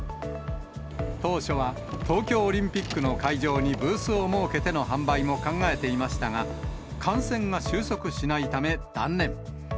当初は東京オリンピックの会場にブースを設けての販売も考えていましたが、感染が収束しないため断念。